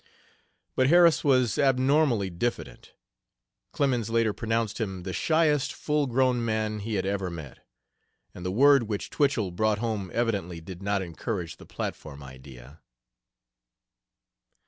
But Harris was abnormally diffident. Clemens later pronounced him "the shyest full grown man" he had ever met, and the word which Twichell brought home evidently did not encourage the platform idea.